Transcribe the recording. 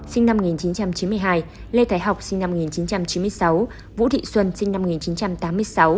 sinh năm một nghìn chín trăm chín mươi hai lê thái học sinh năm một nghìn chín trăm chín mươi sáu vũ thị xuân sinh năm một nghìn chín trăm tám mươi sáu